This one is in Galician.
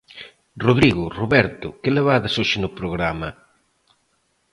Rodrigo, Roberto, que levades hoxe no programa?